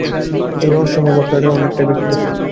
এই রহস্যময় ভাবধারাটা অনেকটাই ব্যক্তিগত।